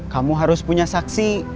kamu harus punya saksi